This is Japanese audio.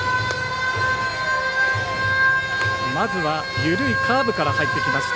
まずは、緩いカーブから入ってきました。